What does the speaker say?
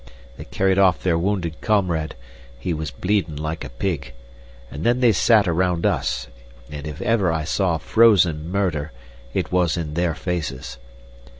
They carried off their wounded comrade he was bleedin' like a pig and then they sat around us, and if ever I saw frozen murder it was in their faces.